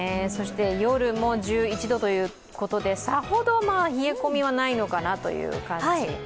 夜も１１度ということで、さほど冷え込みはないのかなという感じ。